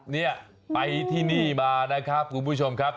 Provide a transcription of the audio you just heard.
เนี่ยไปที่นี่มานะครับคุณผู้ชมครับ